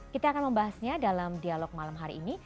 kita akan membahasnya dalam dialog malam hari ini